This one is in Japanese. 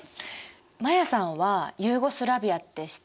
マヤさんはユーゴスラヴィアって知ってますか？